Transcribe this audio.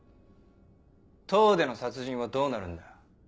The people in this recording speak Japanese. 塔での殺人はどうなるんだ？